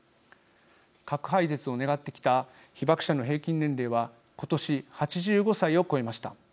核廃絶を願ってきた被爆者の平均年齢は今年、８５歳を超えました。